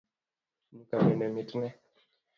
Nyuka bende mitne